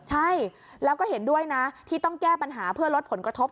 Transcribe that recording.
ใช่แล้วก็เห็นด้วยนะที่ต้องแก้ปัญหาเพื่อลดผลกระทบ